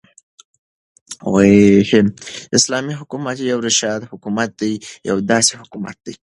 ح : اسلامې حكومت يو راشده حكومت دى يو داسي حكومت دى